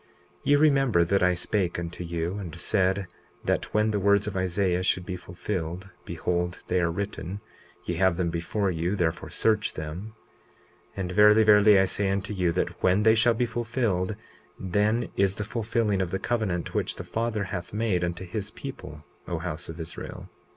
20:11 Ye remember that I spake unto you, and said that when the words of Isaiah should be fulfilled—behold they are written, ye have them before you, therefore search them— 20:12 And verily, verily, I say unto you, that when they shall be fulfilled then is the fulfilling of the covenant which the Father hath made unto his people, O house of Israel.